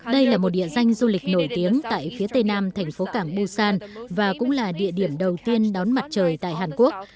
đây là một địa danh du lịch nổi tiếng tại phía tây nam thành phố cảng busan và cũng là địa điểm đầu tiên đón mặt trời tại hàn quốc